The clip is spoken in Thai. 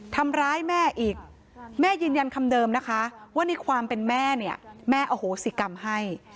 ทำร้ายแม่อีกแม่ยืนยันคำเดิมนะคะว่าในความเป็นแม่เนี่ยแม่อโหสิกรรมให้